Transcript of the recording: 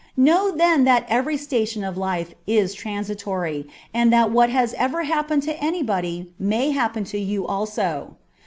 Know then that every station of life is transitory, and that what has ever happened to anybody may happen to you also.